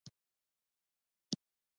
هم دې کال کښې د دوي مشر ورور جاويد اقبال